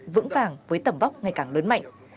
vững vàng với tầm vóc ngày càng lớn mạnh